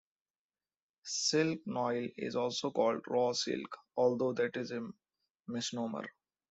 Silk noil is also called "raw silk", although that is a misnomer.